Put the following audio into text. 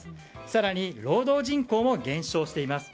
更に労働人口も減少しています。